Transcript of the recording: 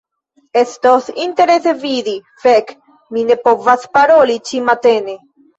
Estos interese vidi... fek' mi ne povas paroli ĉi-matene